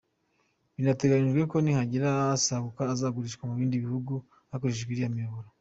Binateganyijwe ko nihagira asaguka azagurishwa mu bindi bihugu hakoreshejwe iriya miyoboro.